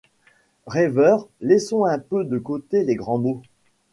Rêveur, laissons un peu de côté les grands mots